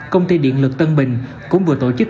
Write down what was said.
công ty điện lực tân bình cũng vừa tổ chức